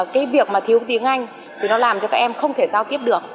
cái việc mà thiếu tiếng anh thì nó làm cho các em không thể giao tiếp được